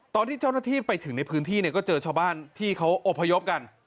ตอนที่เจ้าหน้าที่ไปถึงในพื้นที่เนี่ยก็เจอชาวบ้านที่เขาอบพยพกัน